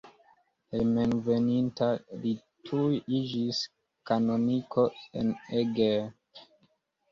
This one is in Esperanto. Hejmenveninta li tuj iĝis kanoniko en Eger.